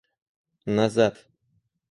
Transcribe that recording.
назад